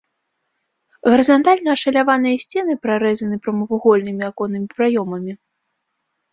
Гарызантальна ашаляваныя сцены прарэзаны прамавугольнымі аконнымі праёмамі.